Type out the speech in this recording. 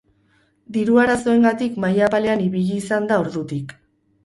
Diru arazoengatik maila apalean ibili izan da ordutik.